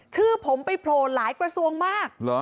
ชื่อผมไปโผล่หลายกระทรวงมาก